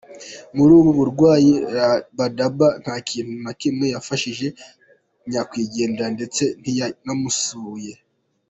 Muri ubu burwayi Rabadaba ntakintu na kimwe yafashije nyakwigendera ndetse ntiyanamusuye.